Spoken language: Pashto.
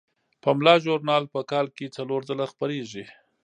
پملا ژورنال په کال کې څلور ځله خپریږي.